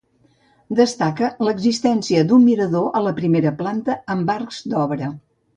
Destaca l'existència d'un mirador a la primera planta amb arcs d'obra.